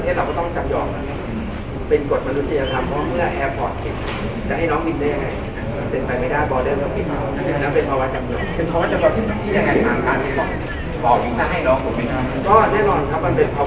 เพราะว่าไม่ทันกับการเข้าเต็มในภารกาศของบ้านเมียเราก็คิดว่า